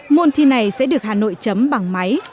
môn thi này sẽ được hà nội chấm bằng máy